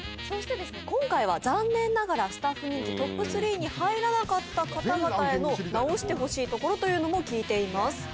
そして今回は残念ながらスタッフ人気トップ３に入らなかった方々への直してほしいところというのも聞いています